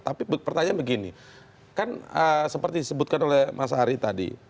tapi pertanyaan begini kan seperti disebutkan oleh mas ari tadi